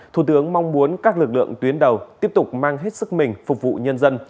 thủ tướng mong muốn các lực lượng tuyến đầu tiếp tục mang hết sức mình phục vụ nhân dân